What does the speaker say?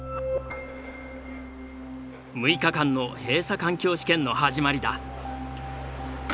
６日間の閉鎖環境試験の始まりだ。